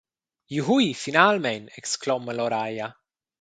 «Juhui, finalmein», excloma Loraia.